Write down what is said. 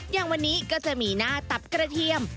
อย่างวันนี้ก็จะมีหน้าตับกระเทียม